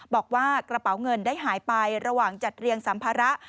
บอกว่ากระเป๋าเงินได้หายไประหว่างจัดเรียงสัมภาระ